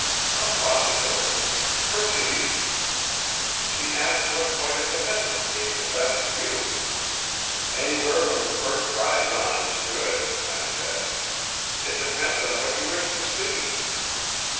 "A possibility. Proceed." "She asked what point of the headland gave the best view. 'Anywhere from the first rise on is good,' I said. 'It depends on what you wish to see.